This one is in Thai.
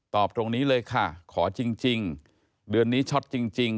ตรงนี้เลยค่ะขอจริงเดือนนี้ช็อตจริง